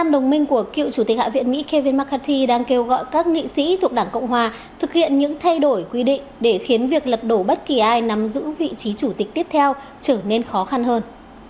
năm đồng minh của cựu chủ tịch hạ viện mỹ kevin mccarthy đang kêu gọi các nghị sĩ thuộc đảng cộng hòa thực hiện những thay đổi quy định để khiến việc lật đổ bất kỳ ai nắm giữ vị trí chủ tịch tiếp theo trở nên khó khăn hơn